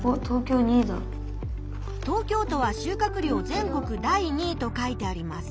東京都は収穫量全国第２位と書いてあります。